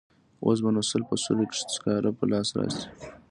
اوس به نو سل په سلو کې سکاره په لاس راشي.